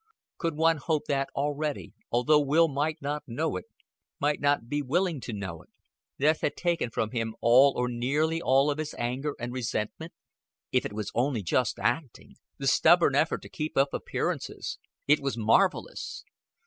Could one hope that already, although Will might not know it, might not be willing to know it, death had taken from him all or nearly all of his anger and resentment? If it was only just acting the stubborn effort to keep up appearances it was marvelous.